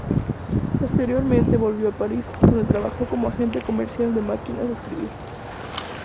Posteriormente volvió a París, donde trabajó como agente comercial de máquinas de escribir.